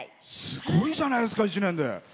すごいじゃないですか１年で。